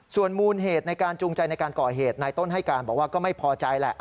ส่วนมูลเหตุในการจูงใจในการก่อเหตุนายต้นให้การบอกว่าก็ไม่พอใจแหละ